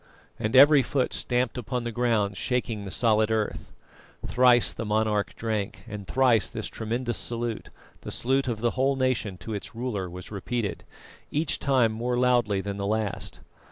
_" and every foot stamped upon the ground, shaking the solid earth. Thrice the monarch drank, and thrice this tremendous salute, the salute of the whole nation to its ruler, was repeated, each time more loudly than the last.